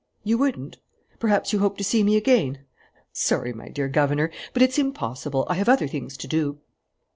You wouldn't? Perhaps you hope to see me again? Sorry, my dear governor, but it's impossible. I have other things to do."